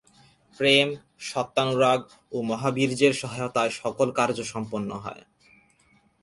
প্রেম, সত্যানুরাগ ও মহাবীর্যের সহায়তায় সকল কার্য সম্পন্ন হয়।